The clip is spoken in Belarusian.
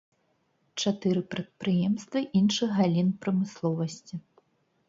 Чатыры прадпрыемствы іншых галін прамысловасці.